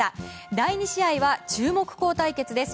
第２試合は注目校対決です。